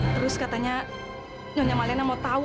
terus katanya nyonya malena mau tahu